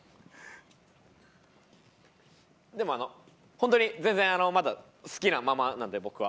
でもあの本当に全然まだ好きなままなんで僕は。